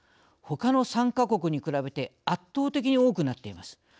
ほかの３か国に比べて圧倒的に多くなっています。